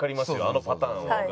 あのパターンは。